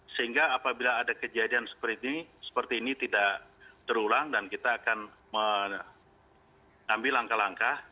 sehingga apabila ada kejadian seperti ini seperti ini tidak terulang dan kita akan mengambil langkah langkah